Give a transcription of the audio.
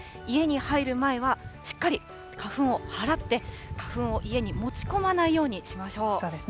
家に入る前は、しっかり花粉を払って、花粉を家に持ち込まないようにしましょう。